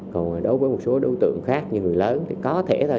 còn đối với một số đối tượng khác như người lớn thì có thể thôi